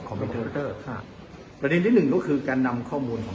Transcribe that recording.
เป็นเทวเตอร์ครับประเด็นที่หนึ่งก็คือการนำข้อมูลของ